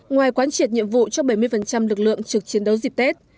ngoài quán triệt nhiệm vụ cho bảy mươi lực lượng trực chiến đấu dịp tết